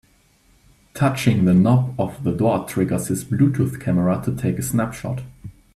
Touching the knob of the door triggers this Bluetooth camera to take a snapshot.